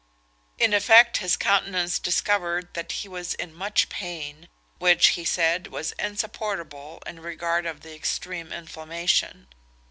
In effect, his countenance discovered that he was in much pain, which, he said, was insupportable in regard of the extreme inflammation.